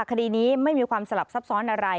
คดีนี้ไม่มีความสลับซับซ้อนอะไร